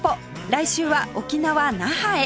来週は沖縄那覇へ